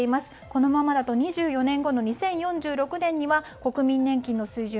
このままだと２４年後の２０４６年には国民年金の水準